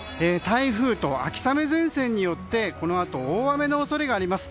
台風と秋雨前線によってこのあと、大雨の恐れがあります。